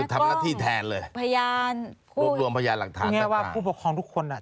คือทำละที่แทนเลยพยานรวมรวมพยานหลักฐานคือไงว่าผู้ปกครองทุกคนอ่ะ